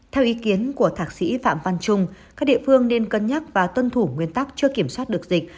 theo ý kiến của thạc sĩ phạm văn trung các địa phương nên cân nhắc và tuân thủ nguyên tắc chưa kiểm soát được dịch